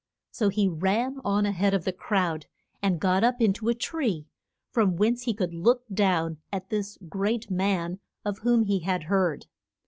So he ran on a head of the crowd; and got up in to a tree, from whence he could look down at this great man of whom he had heard.